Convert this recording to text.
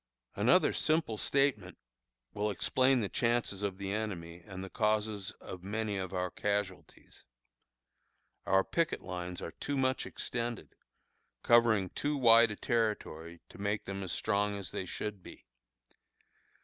Another simple statement will explain the chances of the enemy and the causes of many of our casualties. Our picket lines are too much extended, covering too wide a territory to make them as strong as they should be.